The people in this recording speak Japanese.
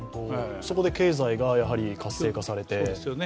そこで経済が活性化されて。